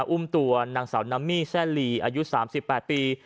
อุ้มตัวนางสาวนัมมี่แซ่ลีอายุ๓๘ปี